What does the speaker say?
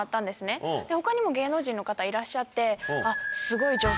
他にも芸能人の方いらっしゃって「すごい」。